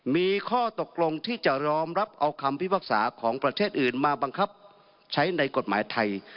มีข้อตกลงที่จะรอมรับเอาคำพิพากษาของประเทศอื่นมาบังคับใช้ในกฎหมายไทย